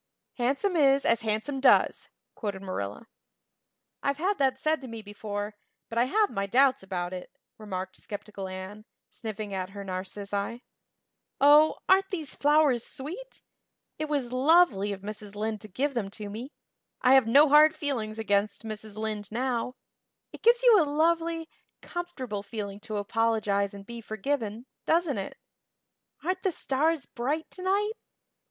"Handsome is as handsome does," quoted Marilla. "I've had that said to me before, but I have my doubts about it," remarked skeptical Anne, sniffing at her narcissi. "Oh, aren't these flowers sweet! It was lovely of Mrs. Lynde to give them to me. I have no hard feelings against Mrs. Lynde now. It gives you a lovely, comfortable feeling to apologize and be forgiven, doesn't it? Aren't the stars bright tonight?